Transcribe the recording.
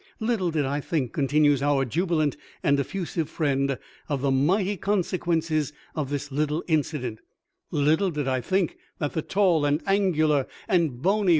Little did I think," continues our jubilant and effusive friend " of the mighty consequences of this little incident • little did I think that the tall, and angular, and bony ^ C4^ ,^.